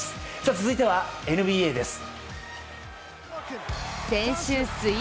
続いてはＮＢＡです。